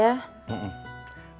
mari mbak surti